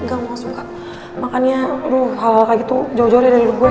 gak mau suka makannya aduh hal hal kayak gitu jauh jauh dari gue